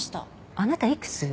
あなた幾つ？